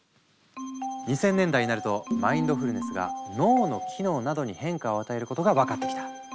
２０００年代になるとマインドフルネスが脳の機能などに変化を与えることが分かってきた。